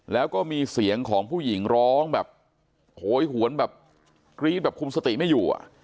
แล้วก็มีเสียงของผู้หญิงร้องแบบโหยหวนแบบกรี๊ดแบบคุมสติไม่อยู่